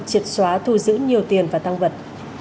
triệt xóa thu giữ nhiều tiền và tăng vật